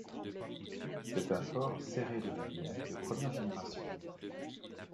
C'est un fort Séré de Rivières de première génération.